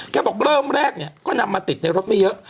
แกบอกเริ่มแรกก็นำมาติดในรถไม่เยอะ